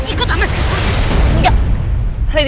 ikut sama sekarang